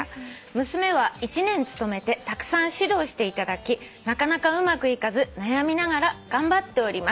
「娘は１年勤めてたくさん指導していただきなかなかうまくいかず悩みながら頑張っております」